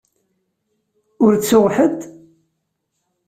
Ur ttuɣ ḥedd?